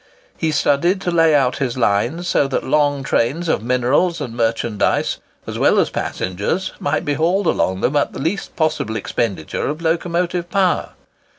He studied to lay out his lines so that long trains of minerals and merchandise, as well as passengers, might be hauled along them at the least possible expenditure of locomotive power.